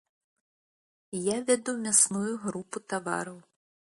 Я вяду мясную групу тавараў.